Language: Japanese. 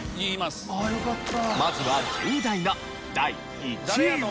まずは１０代の第１位は。